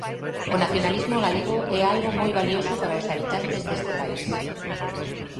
O nacionalismo galego é algo moi valioso para os habitantes deste país.